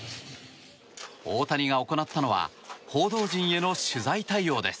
大谷が行ったのは報道陣への取材対応です。